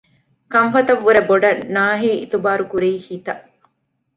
ކަންފަތަށް ވުރެ ބޮޑަށް ނާހި އިތުބާރުކުރީ ހިތަށް